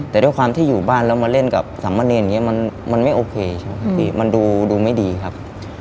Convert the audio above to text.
แต่ด้วยความที่อยู่บ้านแล้วมาเล่นกับสามเณรอย่างนี้มันไม่โอเคใช่ไหมพี่มันดูไม่ดีครับ